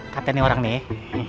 katanya orang nih